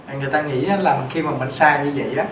người ta nghĩ là khi mà bệnh sai như vậy